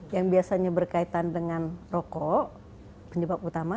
yang biasanya berkaitan dengan rokok penyebab utama